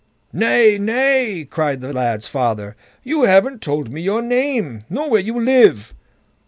"Nay, nay!" cried the lad's father, "you haven't told me your name, nor where you live."